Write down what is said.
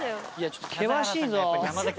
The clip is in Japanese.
ちょっと険しいぞ。